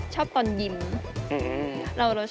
ชอบตรงเครื่องหน้าข้างบนค่ะ